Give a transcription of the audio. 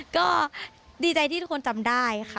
ก็ดีใจที่ทุกคนจำได้ค่ะ